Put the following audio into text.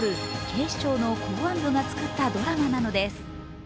警視庁の公安部が作ったドラマなのです。